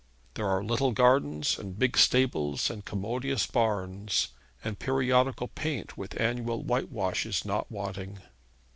There are little gardens, and big stables, and commodious barns; and periodical paint with annual whitewash is not wanting.